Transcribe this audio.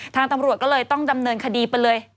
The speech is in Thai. ตำรวจก็เลยต้องดำเนินคดีไปเลย